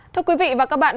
thưa quý vị và các bạn